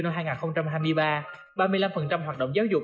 năm hai nghìn hai mươi ba ba mươi năm hoạt động giáo dục